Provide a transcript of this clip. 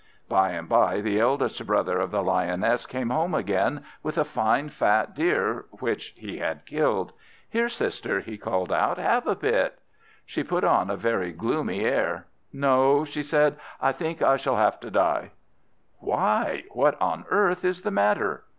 By and by the eldest brother of the Lioness came home again, with a fine fat deer which he had killed. "Here, sister," he called out, "have a bit!" She put on a very gloomy air. "No," she said, "I think I shall have to die." "Why, what on earth is the matter?"